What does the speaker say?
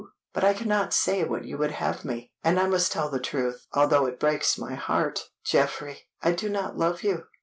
but I cannot say what you would have me, and I must tell the truth, although it breaks my heart. Geoffrey, I do not love you."